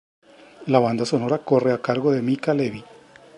La banda sonora corre a cargo de Mica Levi.